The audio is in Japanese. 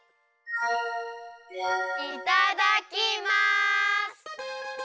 いただきます！